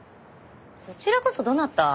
そちらこそどなた？